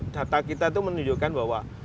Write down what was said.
data kita itu menunjukkan bahwa